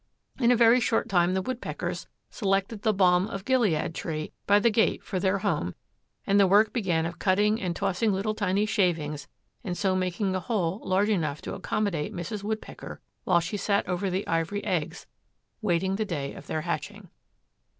In a very short time the woodpeckers selected the balm of Gilead tree by the gate for their home and the work began of cutting and tossing the tiny shavings and so making a hole large enough to accommodate Mrs. Woodpecker while she sat over the ivory eggs waiting the day of their hatching.